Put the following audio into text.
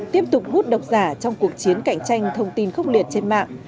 tiếp tục hút độc giả trong cuộc chiến cạnh tranh thông tin khốc liệt trên mạng